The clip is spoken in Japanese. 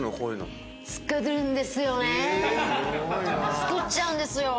作っちゃうんですよ。